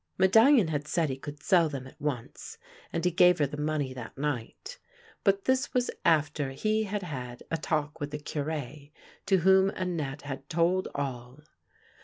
Medallion had said he could sell them at once, and he gave her the money that night; but this was after he had had a talk with the Cure, to whom Annette had told all.